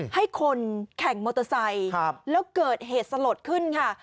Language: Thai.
ให้คนแข่งมอเตอร์ไซค์แล้วเกิดเหตุสลดขึ้นค่ะ